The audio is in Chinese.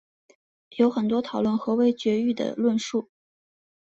有很多讨论何为纯育的论述。